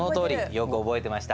よく覚えてました。